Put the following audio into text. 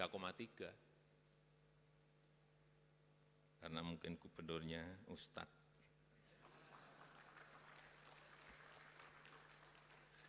karena mungkin gubernurnya ustadz